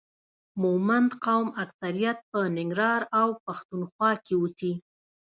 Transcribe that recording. مومند قوم اکثریت په ننګرهار او پښتون خوا کې اوسي